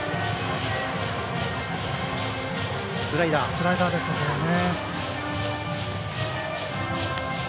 スライダーですね。